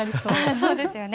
そうですよね。